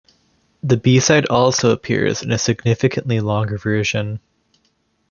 The b-side also appears in a significantly longer version.